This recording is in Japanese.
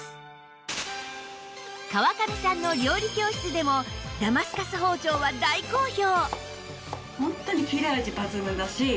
川上さんの料理教室でもダマスカス包丁は大好評！